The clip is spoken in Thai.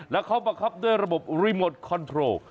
แล้วเขาบังคับด้วยระบบรีโมทคอนโทรล